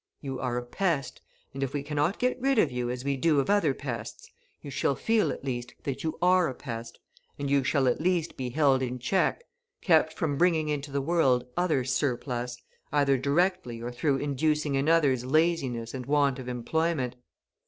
You are a pest, and if we cannot get rid of you as we do of other pests, you shall feel, at least, that you are a pest, and you shall at least be held in check, kept from bringing into the world other "surplus," either directly or through inducing in others laziness and want of employment.